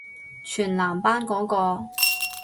全男班嗰個？